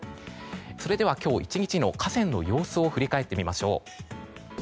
それでは今日１日の河川の様子を振り返ってみましょう。